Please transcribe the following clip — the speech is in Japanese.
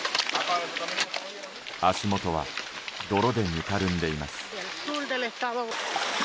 足元は泥でぬかるんでいます。